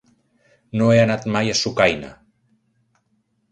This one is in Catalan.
No he anat mai a Sucaina.